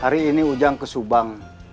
hari ini ujang ke subang